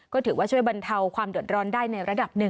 ก็ถือว่าช่วยบรรเทาความโดดรนได้ในระดับ๑